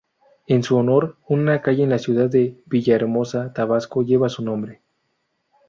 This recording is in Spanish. En su honor, una calle en la ciudad de Villahermosa, Tabasco, lleva su nombre.